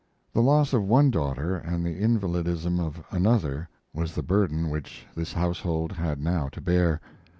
The loss of one daughter and the invalidism of another was the burden which this household had now to bear.